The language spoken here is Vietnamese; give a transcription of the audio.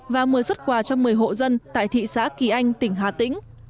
và một mươi xuất quà cho một mươi hộ dân tại thị xã kỳ anh tỉnh hà tĩnh